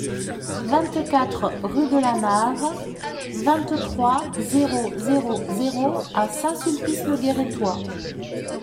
vingt-quatre rue de la Nave, vingt-trois, zéro zéro zéro à Saint-Sulpice-le-Guérétois